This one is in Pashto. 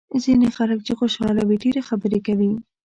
ځینې خلک چې خوشاله وي ډېرې خبرې کوي.